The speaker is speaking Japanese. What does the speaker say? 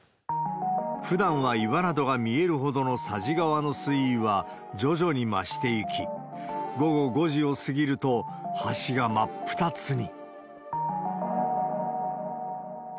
ふだんは岩などが見えるほどの佐治川の水位は徐々に増していき、午後５時を過ぎると、橋が真っ二つに。